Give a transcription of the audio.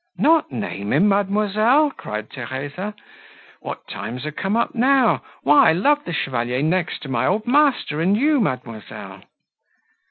"Not name him, mademoiselle!" cried Theresa: "what times are come up now? Why, I love the Chevalier next to my old master and you, mademoiselle."